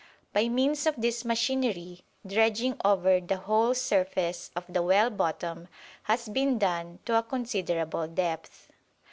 By means of this machinery dredging over the whole surface of the well bottom has been done to a considerable depth.